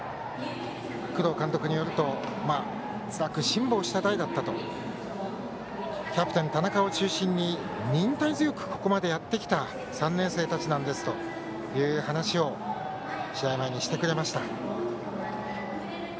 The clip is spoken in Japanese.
工藤監督によるとつらく辛抱した代だったとキャプテンの田中を中心に忍耐強くやってきた３年生たちなんですという話を試合前にしてくれました。